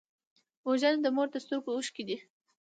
وژنه د مور د سترګو اوښکې دي